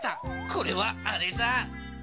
これはあれだ！